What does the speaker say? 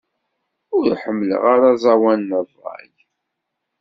Ur ḥemmleɣ ara aẓawan n ṛṛay.